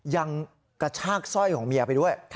ยังกระชากสร้อยของเมียไปด้วย